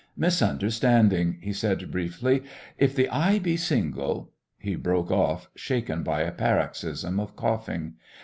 "Misunderstanding," he said briefly. "If the eye be single " He broke off, shaken by a paroxysm of coughing.